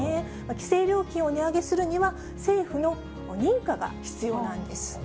規制料金を値上げするには、政府の認可が必要なんです。